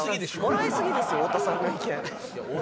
もらいすぎですよ太田さんの意見。